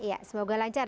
iya semoga lancar